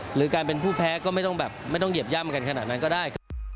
หรือการเป็นผู้แพ้ก็ไม่ต้องแบบไม่ต้องเหยียบย่ำกันขนาดนั้นก็ได้